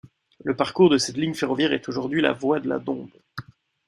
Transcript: Le parcours de cette ligne ferroviaire est aujourd'hui la Voie de la Dombes.